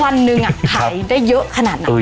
วันนึงอ่ะขายได้เยอะขนาดนั้น